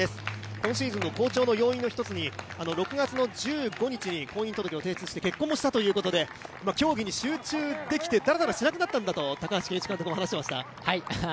今シーズンの好調の要因の一つに、６月１５日に婚姻届を提出して結婚もしたということで競技に集中できて、だらだらしなくなったと高橋健一監督も話していました。